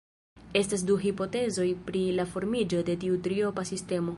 Estas du hipotezoj pri la formiĝo de tiu triopa sistemo.